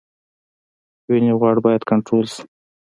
وینې غوړ باید کنټرول شي